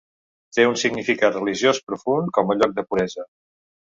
Té un significant religiós profund com a lloc de puresa.